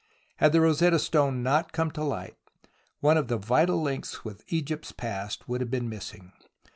Had the Rosetta Stone not come to hght, one of the vital Unks with Egypt's past would have been missing.